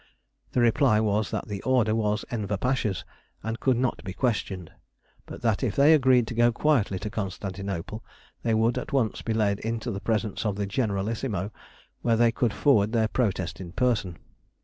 The reply was that the order was Enver Pasha's and could not be questioned, but that if they agreed to go quietly to Constantinople, they would at once be led into the presence of the Generalissimo, where they could forward their protest in person.